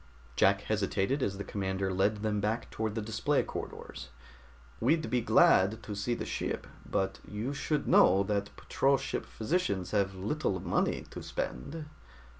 Jack hesitated as the commander led them back toward the display corridors. "We'd be glad to see the ship, but you should know that patrol ship physicians have little money to spend."